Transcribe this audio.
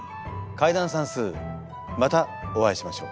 解談算数またお会いしましょう。